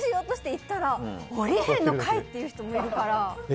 降りへんのかい！っていう人もいるから。